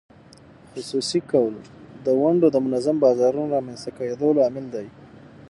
خصوصي کول د ونډو د منظم بازارونو رامینځته کېدو لامل دی.